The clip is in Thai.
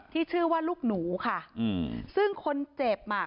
ที่ชื่อว่าลูกหนูค่ะอืมซึ่งคนเจ็บอ่ะ